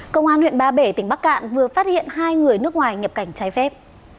công an huyện ba bể tỉnh bắc cạn vừa phát hiện hai người nước ngoài nhập cảnh trái phép